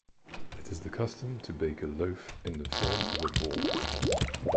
It is the custom to bake a loaf in the form of a boar.